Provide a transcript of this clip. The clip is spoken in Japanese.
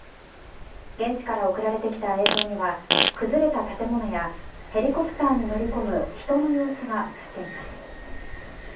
現地から送られてきた映像には崩れた建物やヘリコプターに乗りこむ人の姿が映っています。